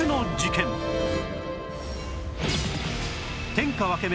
天下分け目！